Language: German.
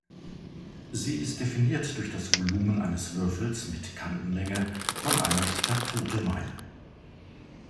Sie ist definiert durch das Volumen eines Würfels mit Kantenlänge von einer statute mile.